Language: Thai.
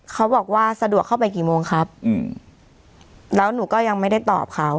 เขาบอกว่าสะดวกเข้าไปกี่โมงครับอืมแล้วหนูก็ยังไม่ได้ตอบเขา